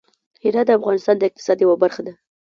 هرات د افغانستان د اقتصاد یوه برخه ده.